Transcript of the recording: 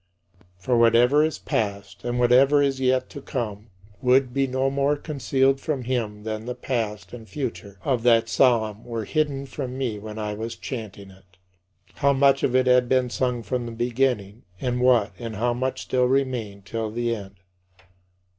For whatever is past and whatever is yet to come would be no more concealed from him than the past and future of that psalm were hidden from me when I was chanting it: how much of it had been sung from the beginning and what and how much still remained till the end.